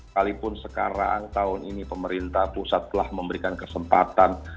kalipun sekarang tahun ini pemerintah pusat telah memberikan kesempatan